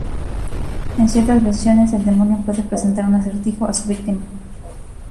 En ciertas versiones, el demonio puede presentar un acertijo a su víctima.